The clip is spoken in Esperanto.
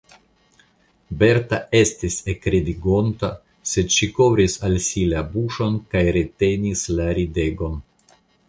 Berta estis ekridegonta, sed ŝi kovris al si la buŝon kaj retenis la ridegon.